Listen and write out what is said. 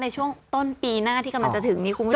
ในช่วงต้นปีหน้าที่กำลังจะถึงนี้คุณผู้ชม